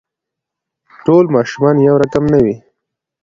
ټول ماشومان يو رقم نه دي.